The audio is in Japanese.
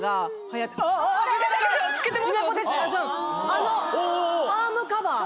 あのアームカバー。